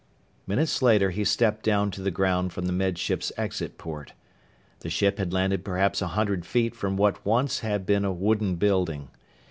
Minutes later he stepped down to the ground from the Med Ship's exit port. The ship had landed perhaps a hundred feet from what once had been a wooden building.